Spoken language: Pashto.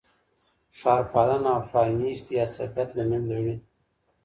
ښار پالنه او ښار میشتي عصبیت له منځه وړي.